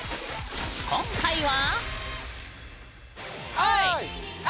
今回は。